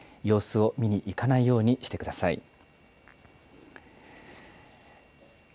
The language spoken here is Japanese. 様子を見に行かないようにしてください。